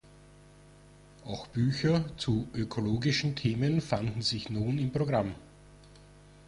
Auch Bücher zu ökologischen Themen fanden sich nun im Programm.